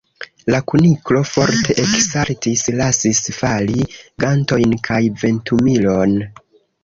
La Kuniklo forte eksaltis, lasis fali gantojn kaj ventumilon.